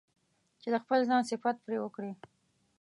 چې د خپل ځان صفت پرې وکړي.